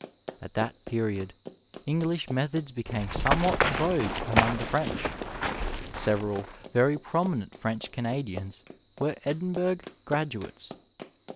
At that period English methods became somewhat the vogue among the French ; several very prominent French Canadians were Edinburgh gra duates.